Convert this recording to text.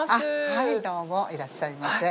はいどうもいらっしゃいませ。